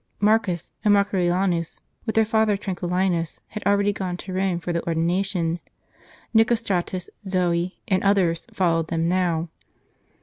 Marcus and Marcellianus, with their father Tranquillinus, had already gone to Rome for the ordination. Nicostratus, Zoe, and others followed them now.